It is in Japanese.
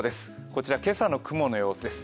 こちら今朝の雲の様子です。